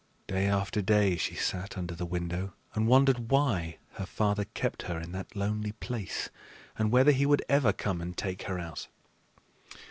Day after day she sat under the window and wondered why her father kept her in that lonely place, and whether he would ever come and take her out.